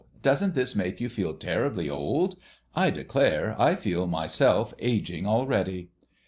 Doesn't this make you feel terribly old? I declare I feel myself ageing already."